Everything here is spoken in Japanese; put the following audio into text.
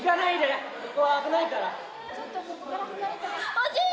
おじい